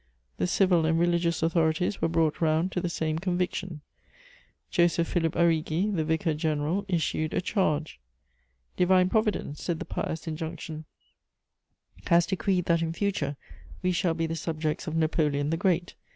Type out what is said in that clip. The civil and religious authorities were brought round to the same conviction. Joseph Philip Arrighi, the Vicar General, issued a charge: "Divine Providence," said the pious injunction, "has decreed that in future we shall be the subjects of Napoleon the Great.